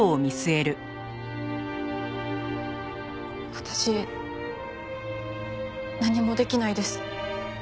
私何もできないです。